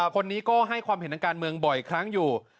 คนนี้ก็ให้ความเห็นทางการเมืองบ่อยครั้งอยู่